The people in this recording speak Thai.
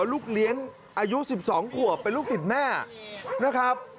ลูกเลี้ยงอายุ๑๒ขวบเป็นลูกติดแม่นะครับ